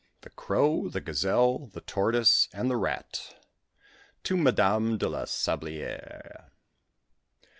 THE CROW, THE GAZELLE, THE TORTOISE, AND THE RAT. TO MADAME DE LA SABLIÈRE.